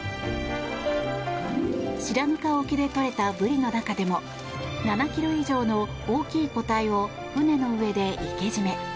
白糠沖でとれたブリの中でも７ｋｇ以上の大きい個体を船の上で活け締め。